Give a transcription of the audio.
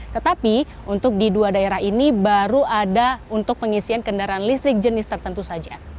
tetapi untuk di dua daerah ini baru ada untuk pengisian kendaraan listrik jenis tertentu saja